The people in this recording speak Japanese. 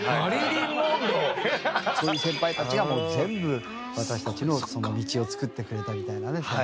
そういう先輩たちが全部私たちの道を作ってくれたみたいなね。